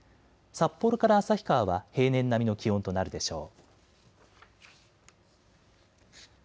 札幌から旭川は平年並みの気温となるでしょう。